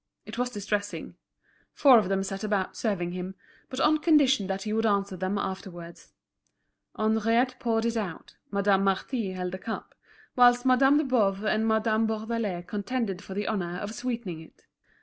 It was distressing. Four of them set about serving him, but on condition that he would answer them afterwards. Henriette poured it out, Madame Marty held the cup, whilst Madame de Boves and Madame Bourdelais contended for the honour of sweetening it.